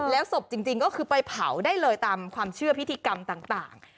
ศพจริงก็คือไปเผาได้เลยตามความเชื่อพิธีกรรมต่าง